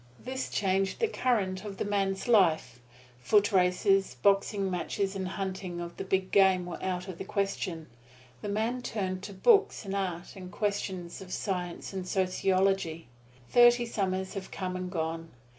This changed the current of the man's life. Footraces, boxing matches and hunting of big game were out of the question. The man turned to books and art and questions of science and sociology. Thirty summers have come and gone.